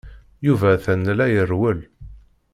Yuba atan la irewwel.